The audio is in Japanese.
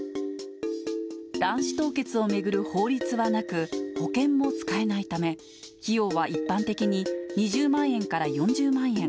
卵子凍結を巡る法律はなく、保険も使えないため、費用は一般的に２０万円から４０万円。